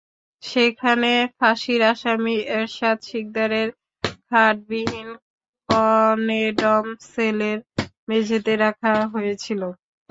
সেখানে ফাঁসির আসামি এরশাদ শিকদারের খাটবিহীন কনেডম সেলের মেঝেতে রাখা হয়েছিল।